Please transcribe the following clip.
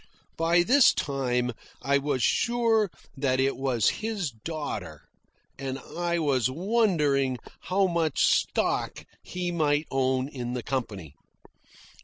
(By this time I was sure that it was his daughter, and I was wondering how much stock he might own in the company.)